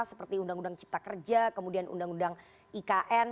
seperti undang undang cipta kerja kemudian undang undang ikn